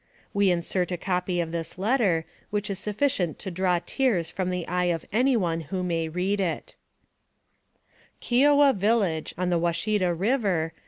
We insert a copy of this letter, which is sufficient to draw tears from the eye of any one who may read it. AMONG THE SIOUX INDIANS. 247 " KIOWAH VILLAGE, ON THE WASHITA RIVER.